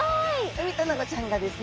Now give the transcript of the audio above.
ウミタナゴちゃんがですね